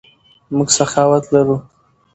موږ سخاوت لرو.